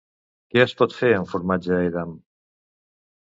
Què es pot fer amb formatge Edam?